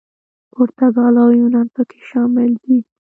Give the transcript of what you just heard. پرتګال او یونان پکې شامل دي.